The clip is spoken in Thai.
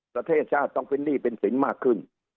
ประเทศชาติต้องเป็นหนี้เป็นสินมากขึ้น